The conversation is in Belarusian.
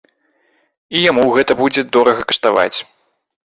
І яму гэта будзе дорага каштаваць.